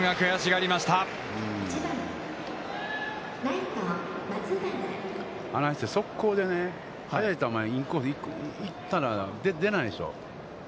あないして速攻で、速い球でインコースに行ったら、出ないでしょう。